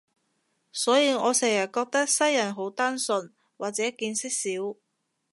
所以我成日覺得西人好單純，或者見識少